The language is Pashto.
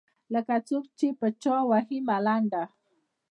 لکــــه څــوک چې په چـــا ووهي ملـــنډه.